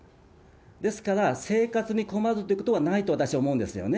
ですから、生活に困るということはないと私は思うんですよね。